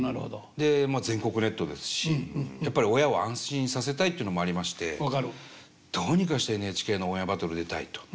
で全国ネットですしやっぱり親を安心させたいっていうのもありましてどうにかしてＮＨＫの「オンエアバトル」出たいと。